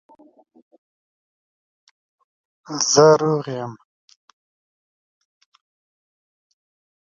زه روغ یم